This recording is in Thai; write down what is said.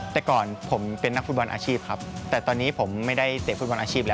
แต่ก่อนผมเป็นนักฟุตบอลอาชีพครับแต่ตอนนี้ผมไม่ได้เศรษฐ